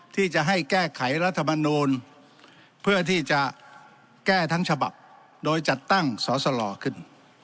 ที่จะให้แก้ไขรัฐมนูลเพื่อที่จะแก้ทั้งฉบับโดยจัดตั้งสอสลขึ้น